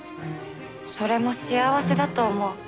それも幸せだと思う。